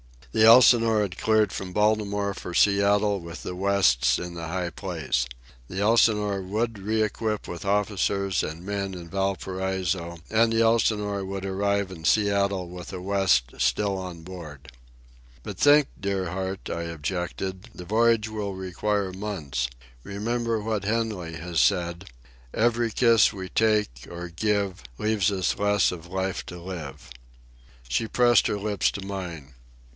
The Elsinore had cleared from Baltimore for Seattle with the Wests in the high place. The Elsinore would re equip with officers and men in Valparaiso, and the Elsinore would arrive in Seattle with a West still on board. "But think, dear heart," I objected. "The voyage will require months. Remember what Henley has said: 'Every kiss we take or give leaves us less of life to live.'" She pressed her lips to mine.